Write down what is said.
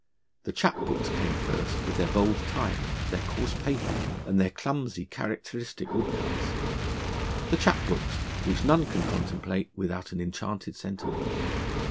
The chap books came first, with their bold type, their coarse paper, and their clumsy, characteristic woodcuts the chap books, which none can contemplate without an enchanted sentiment.